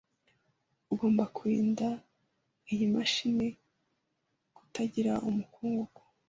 Ugomba kurinda iyi mashini kutagira umukungugu.